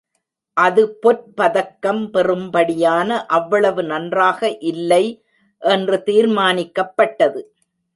அது பொற்பதக்கம் பெறும்படியான அவ்வளவு நன்றாக இல்லை என்று தீர்மானிக்கப்பட்டது.